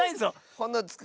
「ほ」のつく